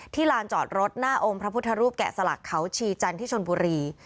ลานจอดรถหน้าองค์พระพุทธรูปแกะสลักเขาชีจันทร์ที่ชนบุรี